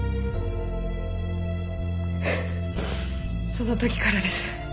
その時からです。